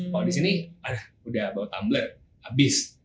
kalau di sini udah bawa tumbler habis